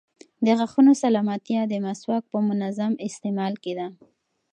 د غاښونو سلامتیا د مسواک په منظم استعمال کې ده.